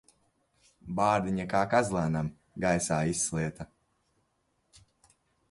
Bārdiņa kā kazlēnam gaisā izslieta.